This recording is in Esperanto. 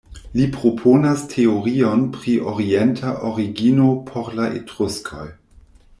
Li proponas teorion pri orienta origino por la Etruskoj.